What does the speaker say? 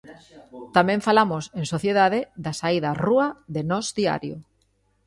Tamén falamos, en Sociedade, da saída á rúa de Nós Diario.